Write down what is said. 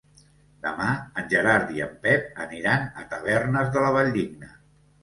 Demà en Gerard i en Pep aniran a Tavernes de la Valldigna.